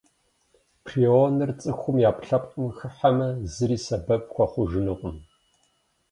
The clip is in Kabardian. Прионыр цӏыхум и ӏэпкълъэпкъым хыхьэмэ, зыри сэбэп хуэхъужынукъым.